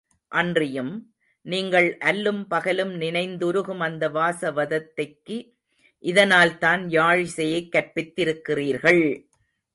அன்றியும், நீங்கள் அல்லும் பகலும் நினைந்துருகும், அந்த வாசவதத்தைக்கு இதனால்தான் யாழிசையைக் கற்பித்திருக்கிறீர்கள்!